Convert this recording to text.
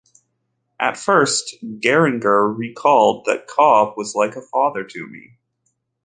At first, Gehringer recalled that Cobb was like a father to me.